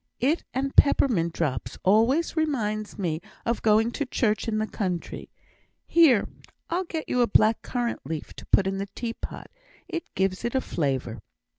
It and peppermint drops always remind me of going to church in the country. Here! I'll get you a black currant leaf to put in the teapot. It gives it a flavour.